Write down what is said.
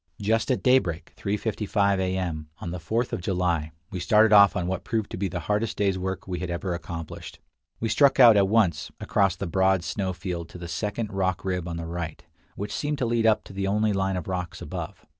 Just at daybreak, 3:55 A. M., on the 4th of July, we started off on what proved to be the hardest day's work we had ever accomplished. We struck out at once across the broad snow field to the second rock rib on the right, which seemed to lead up to the only line of rocks above.